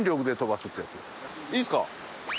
いいですか？